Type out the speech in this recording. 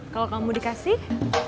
kalau kamu dikasih